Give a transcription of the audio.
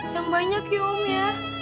yang banyak ya om ya